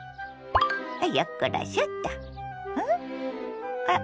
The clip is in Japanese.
よっこらしょっと。